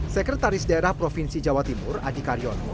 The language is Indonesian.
sekretaris daerah provinsi jawa timur adi karyono